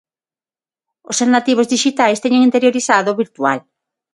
Ao ser nativos dixitais, teñen interiorizado o virtual.